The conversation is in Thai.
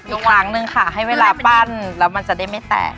นวดอีกครั้งหนึ่งค่ะให้เวลาปั้นแล้วมันจะได้ไม่แตก